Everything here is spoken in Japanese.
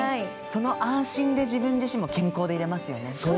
その安心で自分自身も健康でいれますよね。